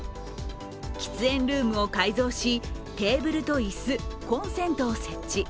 喫煙ルームを改造しテーブルと椅子、コンセントを設置。